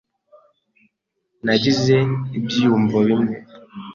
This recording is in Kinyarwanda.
Nagize ibyiyumvo bimwe.